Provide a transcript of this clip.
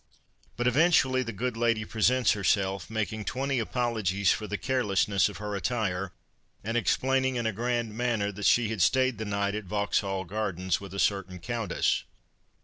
But eventually the good lady presents herself, making ' twenty apologies ' for the carelessness of her attire, and explaining in a grand manner that she had stayed the night at Vauxhall Gardens with a certain countess.